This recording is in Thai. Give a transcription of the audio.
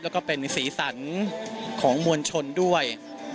แล้วก็เป็นสีสันของมวลชนด้วย